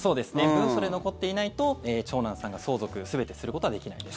文書で残っていないと長男さんが相続、全てすることはできないです。